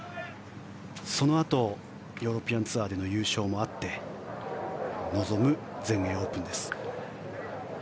そのあとヨーロピアンツアーでの優勝もあって臨む全英オープンです。